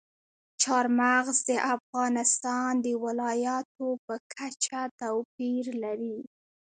چار مغز د افغانستان د ولایاتو په کچه توپیر لري.